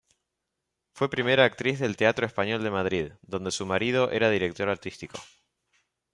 Fue primera actriz del Teatro Español de Madrid, donde su marido era director artístico.